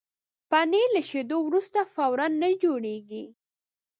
پنېر له شیدو وروسته فوراً نه جوړېږي.